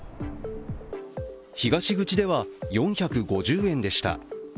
東口では４５０円でした。